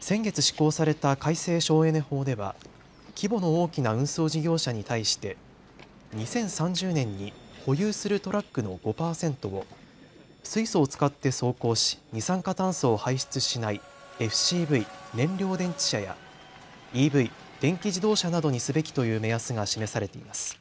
先月、施行された改正省エネ法では規模の大きな運送事業者に対して２０３０年に保有するトラックの５％を水素を使って走行し二酸化炭素を排出しないＦＣＶ・燃料電池車やＥＶ・電気自動車などにすべきという目安が示されています。